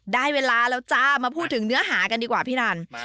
ได้เวลาแล้วจ้ามาพูดถึงเนื้อหากันดีกว่าพี่นัน